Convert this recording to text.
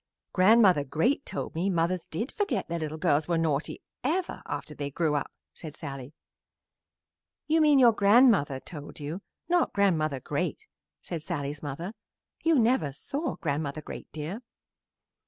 "Grandmother Great told me mothers did forget their little girls were naughty ever, after they grew up," said Sallie. "You mean your grandmother told you; not Grandmother Great," said Sallie's mother. "You never saw Grandmother Great, dear."